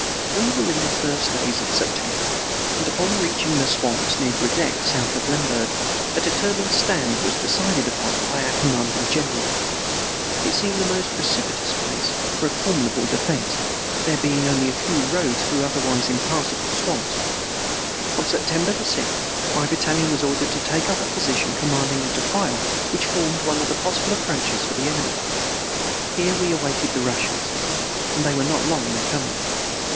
We were in the first days of September, and upon reaching the swamps near Grodeck, south of Lemberg, a determined stand was decided upon by our commanding general. It seemed the most propitious place for a formidable defense, there being only few roads through otherwise impassable swamps. On September sixth my battalion was ordered to take up a position commanding a defile which formed one of the possible approaches for the enemy. Here we awaited the Russians, and they were not long in coming.